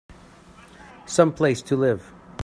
Some place to live!